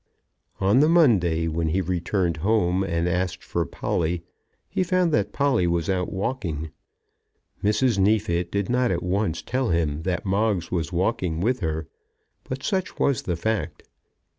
On the Monday, when he returned home and asked for Polly, he found that Polly was out walking. Mrs. Neefit did not at once tell him that Moggs was walking with her, but such was the fact.